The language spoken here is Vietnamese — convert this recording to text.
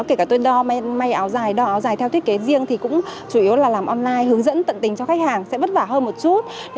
kể cả tôi đo áo dài theo thiết kế riêng thì cũng chủ yếu là làm online hướng dẫn tận tình cho khách hàng sẽ bất vả hơn một chút